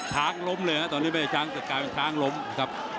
ช้างล้มเลยครับตอนนี้ไม่ใช่ช้างแต่กลายเป็นช้างล้มครับ